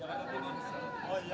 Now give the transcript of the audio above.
akhirnya ada dua